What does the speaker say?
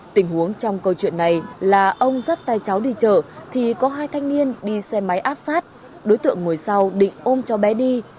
tình huống trong câu chuyện này là ông dắt tay cháu đi chợ thì có hai thanh niên đi xe máy áp sát đối tượng ngồi sau định ôm cho bé đi